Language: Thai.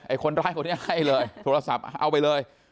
คนร้ายคนนี้ให้เลยโทรศัพท์เอาไปเลย